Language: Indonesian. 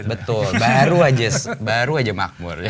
betul baru aja makmur